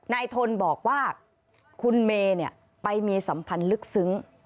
ทนบอกว่าคุณเมย์ไปมีสัมพันธ์ลึกซึ้ง